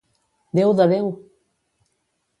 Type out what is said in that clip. Déu de Déu!